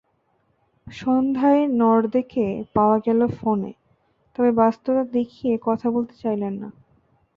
সন্ধ্যায় নর্দেকে পাওয়া গেল ফোনে, তবে ব্যস্ততা দেখিয়ে কথা বলতে চাইলেন না।